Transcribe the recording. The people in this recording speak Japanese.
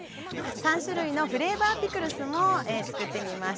３種類のフレーバーピクルスもつくってみました。